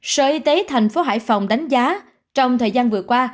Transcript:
sở y tế thành phố hải phòng đánh giá trong thời gian vừa qua